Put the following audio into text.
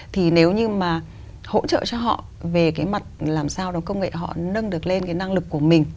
thì nếu như mà hỗ trợ cho họ về cái mặt làm sao đó công nghệ họ nâng được lên cái năng lực của mình